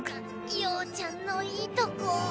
曜ちゃんのいとこ。